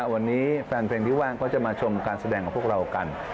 วันนี้แฟนเพลงที่ว่างก็จะมาชมการแสดงของพวกเรากัน